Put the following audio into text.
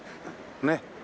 ねっ。